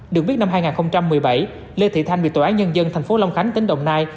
được biết năm hai nghìn một mươi bảy lê thị thanh bị tòa án nhân dân thành phố long khánh tỉnh đồng nai